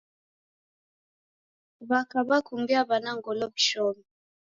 W'aka w'akumbia w'ana ngolo w'ishome.